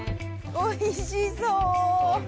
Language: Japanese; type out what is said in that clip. おいしそう！